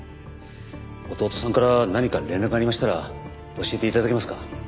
弟さんから何か連絡ありましたら教えて頂けますか？